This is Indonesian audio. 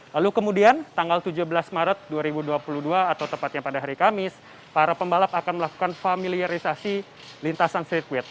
lalu kemudian tanggal tujuh belas maret dua ribu dua puluh dua atau tepatnya pada hari kamis para pembalap akan melakukan familiarisasi lintasan sirkuit